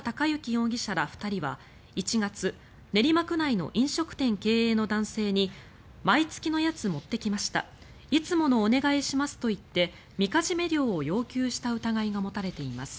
容疑者ら２人は１月練馬区内の飲食店経営の男性に毎月のやつ持ってきましたいつものお願いしますと言ってみかじめ料を要求した疑いが持たれています。